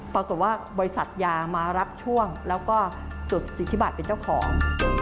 บริษัทยามารับช่วงแล้วก็จดสิทธิบัตรเป็นเจ้าของ